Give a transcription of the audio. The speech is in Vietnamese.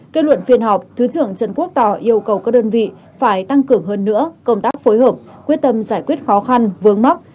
kết luận phiên họp thứ trưởng trần quốc tỏ yêu cầu các đơn vị phải tăng cường hơn nữa công tác phối hợp quyết tâm giải quyết khó khăn vướng mắt